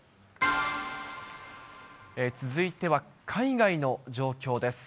続いては、海外の状況です。